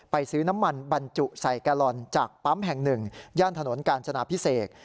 ซื้อน้ำมันบรรจุใส่แกลลอนจากปั๊มแห่งหนึ่งย่านถนนกาญจนาพิเศษ